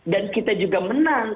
dan kita juga menang